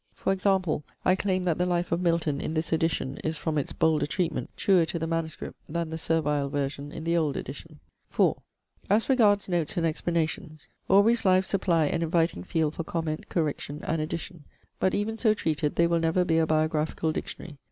For example, I claim that the life of Milton, in this edition, is, from its bolder treatment, truer to the MS., than the servile version in the old edition. 4. As regards notes and explanations. Aubrey's lives supply an inviting field for comment, correction, and addition. But, even so treated, they will never be a biographical dictionary.